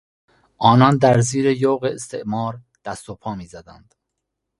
آنان در زیر یوغ استعمار دست و پا میزدند.